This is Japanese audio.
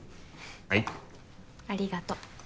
はいありがとう